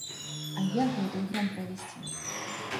А як гэту грань правесці?